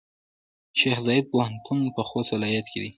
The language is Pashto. شیخزاید پوهنتون پۀ خوست ولایت کې دی.